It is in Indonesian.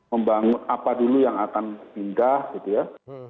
membangun apa dulu yang akan pindah gitu ya